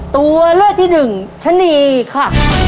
ตัวเลือดที่๑ฉนีค่ะ